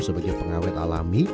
sebagai pengawet alami